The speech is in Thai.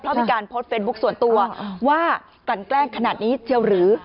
เพราะมีการโพสต์เฟซบุ๊คส่วนตัวว่ากลั่นแกล้งขนาดนี้เจียวหรือ